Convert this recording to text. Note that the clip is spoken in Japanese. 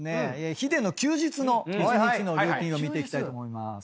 ヒデの休日の一日のルーティンを見ていきたいと思います。